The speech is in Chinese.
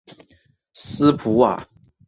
斯普瓦。